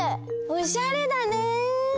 おしゃれだね。